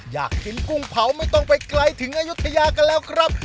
อยากกินกุ้งเผาไม่ต้องไปไกลถึงอายุทยากันแล้วครับ